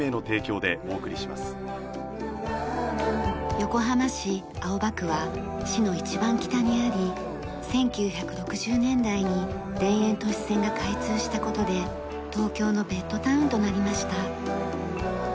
横浜市青葉区は市の一番北にあり１９６０年代に田園都市線が開通した事で東京のベッドタウンとなりました。